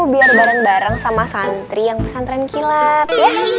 biar bareng bareng sama santri yang pesantren kilat ya